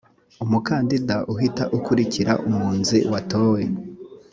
umukandida uhita ukurikira umwunzi watowe